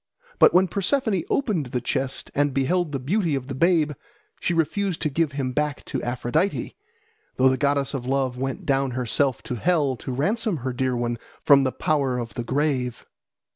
But when Persephone opened the chest and beheld the beauty of the babe, she refused to give him back to Aphrodite, though the goddess of love went down herself to hell to ransom her dear one from the power of the grave.